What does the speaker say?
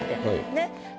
ねっ。